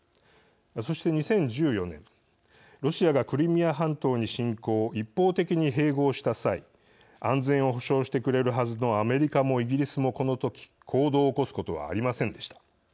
そして、２０１４年ロシアがクリミア半島に侵攻一方的に併合をした際安全を保障してくれるはずのアメリカもイギリスも、この時行動を起こすことはありませんでした。